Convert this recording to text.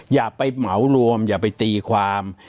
อย่าไปเหมารวมอย่าไปตีความ